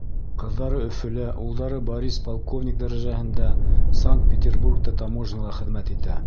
Ҡыҙҙары Өфөлә, улдары Борис полковник дәрәжәһендә Санкт-Петербургта таможняла хеҙмәт итә.